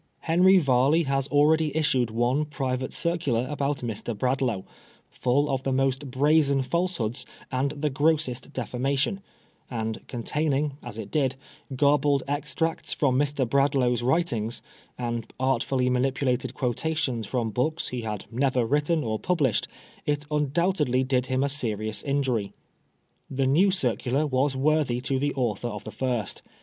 Henry Varley had already issued one private circular about Mr. Bradlaugh, full of the most brazen falsehoods and the grossest defamation ; and containing, as it did, garbled extracts from Mr. Bradlaugh's writings, and artfully manipulated quotations from books he had never written or published, it undoubtedly did him a serious injury. The new circular was worthy of the author of the first.